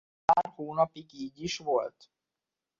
Pár hónapig így is volt.